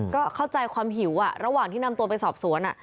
ก็เข้าใจความหิวระหว่างที่นำตัวไปสอบสวน